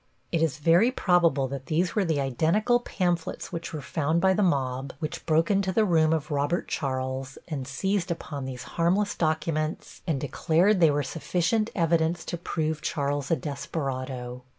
It is very probable that these were the identical pamphlets which were found by the mob which broke into the room of Robert Charles and seized upon these harmless documents and declared they were sufficient evidence to prove Charles a desperado.